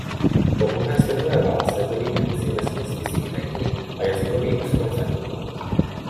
Po druhé světové válce byli Němci vesměs vysídleni a jazykový ostrov zanikl.